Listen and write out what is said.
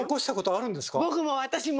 僕も私も！